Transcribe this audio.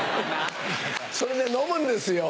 それで飲むんですよ。